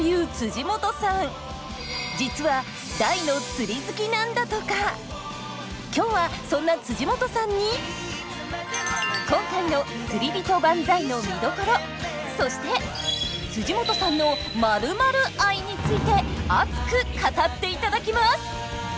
実は今日はそんな本さんに今回の「釣りびと万歳」の見どころそして本さんの○○愛について熱く語っていただきます！